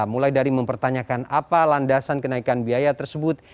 mulai dari mempertanyakan apa landasan kenaikan biaya tersebut